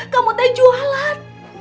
kamu tuh jualan